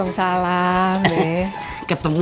mas kita mau ke rumah